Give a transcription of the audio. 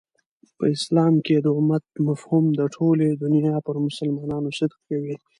په اسلام کښي د امت مفهوم د ټولي دنیا پر مسلمانانو صدق کوي.